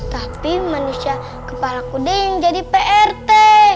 tapi manusia kepala kuda yang jadi prt